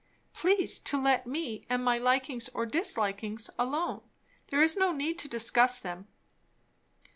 "Please to let me and my likings or dislikings alone. There is no need to discuss them."